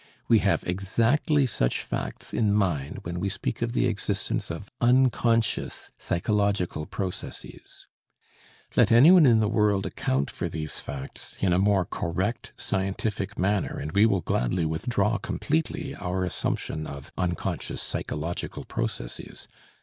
We have exactly such facts in mind when we speak of the existence of unconscious psychological processes. Let anyone in the world account for these facts in a more correct scientific manner, and we will gladly withdraw completely our assumption of unconscious psychological processes.